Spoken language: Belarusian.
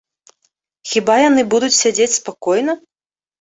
Хіба яны будуць сядзець спакойна?